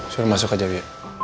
suruh masuk aja dulu